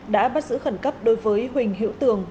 đã bắt giữ khẩn cấp đối với huỳnh hiễu tường